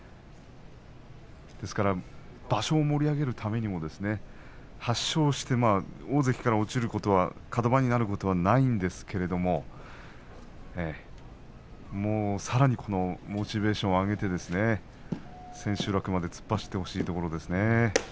ですから、場所を盛り上げるためにも８勝して大関から落ちることはカド番になることはないんですがさらにモチベーションを上げて千秋楽まで突っ走ってほしいですね、貴景勝には。